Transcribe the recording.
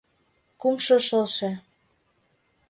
Кумшо шылше.